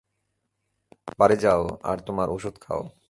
বাড়ি যাও আর তোমার ওষুধ খাও।